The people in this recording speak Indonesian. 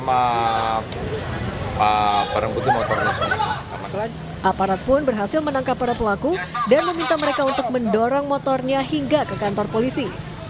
aparat pun berhasil menangkap para pelaku dan meminta mereka untuk mendorong motornya hingga ke kantor polisi